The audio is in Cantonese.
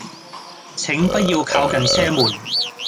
請不要靠近車門